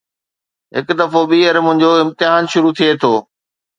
هڪ دفعو ٻيهر منهنجو امتحان شروع ٿئي ٿو